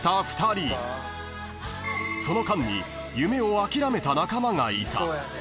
［その間に夢を諦めた仲間がいた］